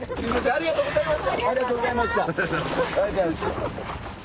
ありがとうございます。